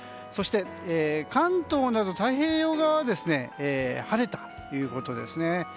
そして関東など太平洋側は晴れたということですね。